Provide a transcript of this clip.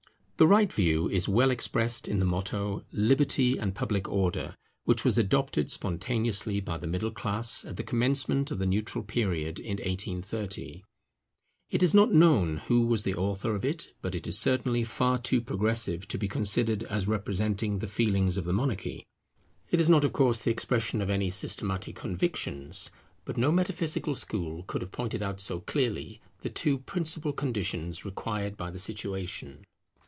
The right view is well expressed in the motto, Liberty and Public Order, which was adopted spontaneously by the middle class at the commencement of the neutral period in 1830. It is not known who was the author of it; but it is certainly far too progressive to be considered as representing the feelings of the monarchy. It is not of course the expression of any systematic convictions; but no metaphysical school could have pointed out so clearly the two principal conditions required by the situation.